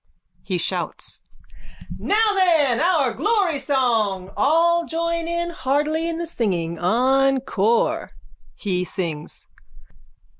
(He shouts.) Now then our glory song. All join heartily in the singing. Encore! _(He sings.)